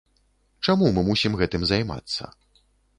Чаму мы мусім гэтым займацца?